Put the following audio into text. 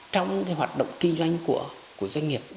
trong hoạt động kinh doanh của doanh nghiệp